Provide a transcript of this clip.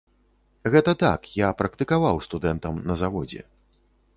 Гэта так, як практыкаваў студэнтам на заводзе.